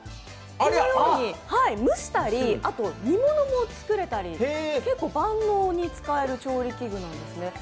このように蒸したりあと煮物も作れたり結構万能に使える調理器具なんですね。